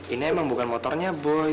ini emang bukan motornya boy